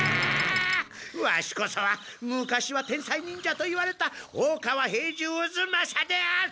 ワシこそは昔は天才忍者といわれた大川平次渦正である！